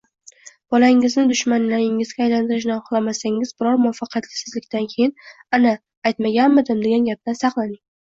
Bolangizni dushmaningizga aylantirishni xohlamasangiz, biror muvaffaqiyatsizlikdan keyin “Ana, aytmaganmidim?!” degan gapdan saqlaning.